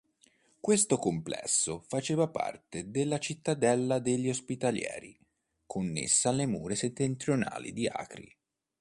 Questo complesso faceva parte della cittadella degli Ospitalieri, connessa alle mura settentrionali di Acri.